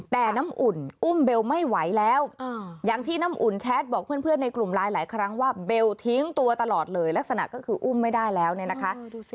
แต่น้ำอุ่นอุ้มเบลไม่ไหวแล้วอย่างที่น้ำอุ่นแชทบอกเพื่อนในกลุ่มไลน์หลายครั้งว่าเบลทิ้งตัวตลอดเลยลักษณะก็คืออุ้มไม่ได้แล้วเนี่ยนะคะ